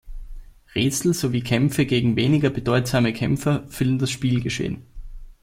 Rätsel sowie Kämpfe gegen weniger bedeutsame Kämpfer füllen das Spielgeschehen.